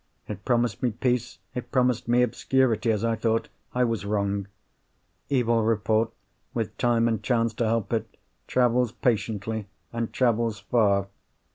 It promised me peace; it promised me obscurity, as I thought. I was wrong. Evil report, with time and chance to help it, travels patiently, and travels far.